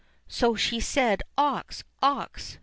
So she said, "Ox! ox!